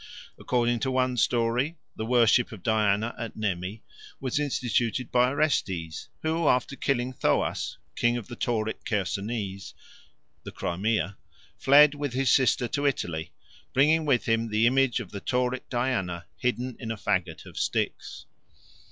According to one story the worship of Diana at Nemi was instituted by Orestes, who, after killing Thoas, King of the Tauric Chersonese (the Crimea), fled with his sister to Italy, bringing with him the image of the Tauric Diana hidden in a faggot of sticks.